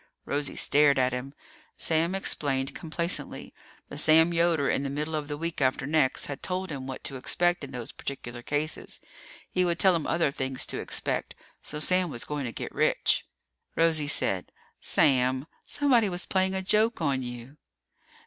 Rosie stared at him. Sam explained complacently. The Sam Yoder in the middle of the week after next had told him what to expect in those particular cases. He would tell him other things to expect. So Sam was going to get rich. Rosie said, "Sam! Somebody was playing a joke on you!"